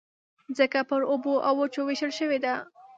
مځکه پر اوبو او وچو وېشل شوې ده.